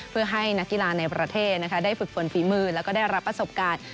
เพื่อให้นักกีฬาในประเทศได้ฝึกฝนฝีมือแล้วก็ได้รับประสบการณ์